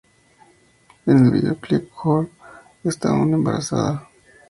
En el videoclip Björk está aún embarazada.